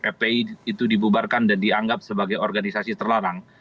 fpi itu dibubarkan dan dianggap sebagai organisasi terlarang